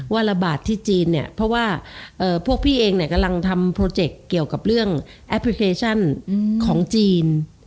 ระบาดที่จีนเนี่ยเพราะว่าพวกพี่เองเนี่ยกำลังทำโปรเจกต์เกี่ยวกับเรื่องแอปพลิเคชันของจีน